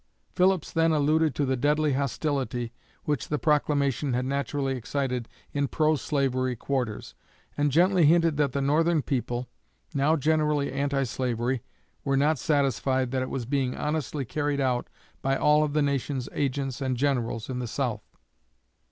Phillips then alluded to the deadly hostility which the proclamation had naturally excited in pro slavery quarters, and gently hinted that the Northern people, now generally anti slavery, were not satisfied that it was being honestly carried out by all of the nation's agents and Generals in the South.